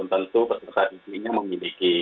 tentu peserta di dunia memiliki